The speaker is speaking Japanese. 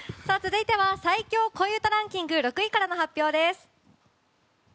続いては最強恋うたランキング６位からの発表です。